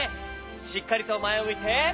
しっかりとまえをむいて。